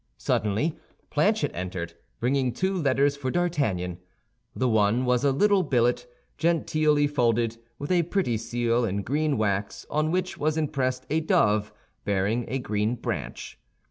Suddenly Planchet entered, bringing two letters for D'Artagnan. The one was a little billet, genteelly folded, with a pretty seal in green wax on which was impressed a dove bearing a green branch.